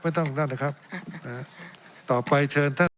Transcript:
ไม่ต้องนั่นหรือครับต่อไปเชิญท่าน